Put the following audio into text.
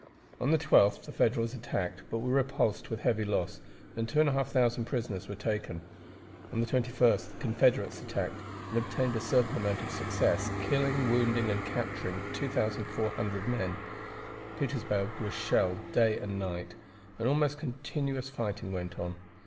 On the 12th the Federals attacked, but were repulsed with heavy loss, and 2,500 prisoners were taken. On the 21st the Confederates attacked, and obtained a certain amount of success, killing, wounding, and capturing 2,400 men. Petersburg was shelled day and night, and almost continuous fighting went on.